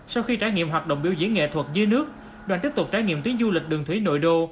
sau khi trải nghiệm hoạt động biểu diễn nghệ thuật dưới nước đoàn tiếp tục trải nghiệm tuyến du lịch đường thủy nội đô